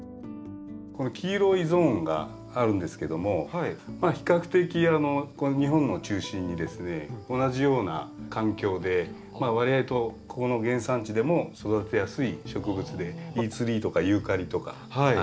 この黄色いゾーンがあるんですけども比較的この日本を中心にですね同じような環境でわりあいとここの原産地でも育てやすい植物でティーツリーとかユーカリとか。